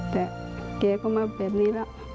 แต่แกก็มาแบบนี้แล้ว